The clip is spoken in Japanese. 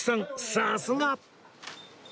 さすが！